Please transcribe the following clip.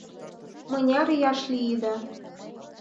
Мыняр ияш лийыда?